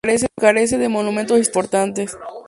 Carece de monumentos históricos importantes.